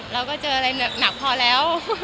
เราก็เจออะไรหนักพอแล้ว